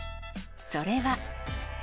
それは。